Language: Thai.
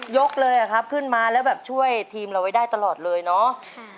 ยกเลยอะครับขึ้นมาแล้วแบบช่วยทีมเราไว้ได้ตลอดเลยเนาะ